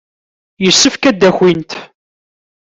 Yessefk ad d-akint.